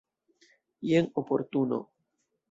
Jen oportuno.